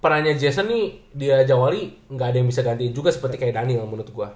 perannya jason nih di jawali gak ada yang bisa gantiin juga seperti kayak dhani lah menurut gue